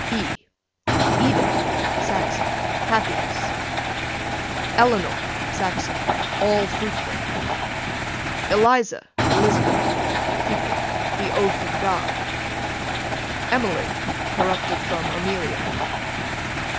E Edith, Saxon, happiness. Eleanor, Saxon, all fruitful. Eliza, Elizabeth, Hebrew, the oath of God. Emily, corrupted from Amelia.